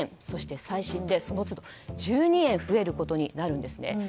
そして再診で、その都度１２円増えることになるんです。